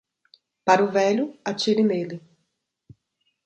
Para o velho, atire nele.